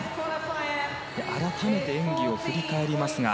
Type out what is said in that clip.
改めて演技を振り返りますが。